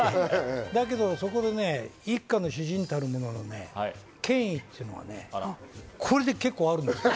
だけどそこで一家の主人たるもの、権威というものが、これで結構あるの。